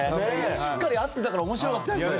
しっかり合っていたから面白かった。